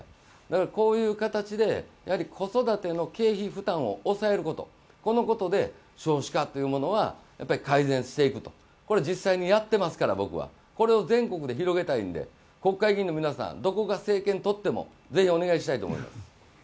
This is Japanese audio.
こういう形で子育ての経費負担を抑えることで少子化というものは改善していくと、実際にやってますから僕は、これを全国で広げたいので国会議員の皆さん、どこが政権をとっても、ぜひお願いしたいと思います。